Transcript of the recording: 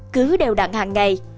cứ đều đặn hàng ngày